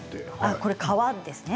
これは川ですね。